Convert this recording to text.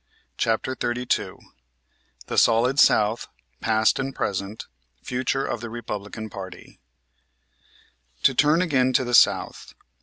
CHAPTER XXXII THE SOLID SOUTH, PAST AND PRESENT. FUTURE OF THE REPUBLICAN PARTY To turn again to the South.